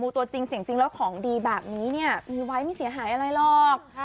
ตัวจริงเสียงจริงแล้วของดีแบบนี้เนี่ยมีไว้ไม่เสียหายอะไรหรอก